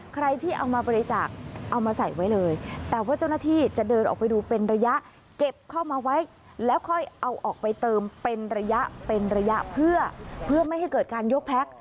ใครที่เอามาบริจาคเอามาใส่ไว้เลยแต่ว่าเจ้าหน้าที่จะเดินออกไปดูเป็นระยะเก็บเข้ามาไว้แล้วค่อยเอาออกไปเติมเป็นระยะเป็นระยะเพื่อไม่ให้เกิดการยกแพ็ค